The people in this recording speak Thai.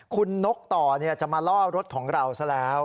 คุณนกต่อจะมาล่อรถของเราซะแล้ว